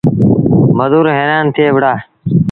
مزور هيرآن ٿئي وُهڙآ۔